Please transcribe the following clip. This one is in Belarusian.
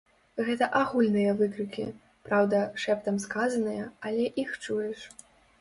Гэта агульныя выкрыкі, праўда, шэптам сказаныя, але іх чуеш.